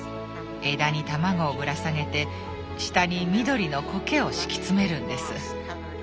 枝に卵をぶら下げて下に緑のコケを敷き詰めるんです。